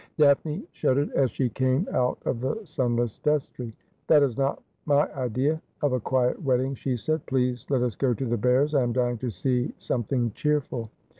Daphne shuddered as she came out of the sunless vestry. ' Tliat is not my idea of a quiet wedding,' she said. ' Please let us go to the bears ; I am dying to see something cheerful.'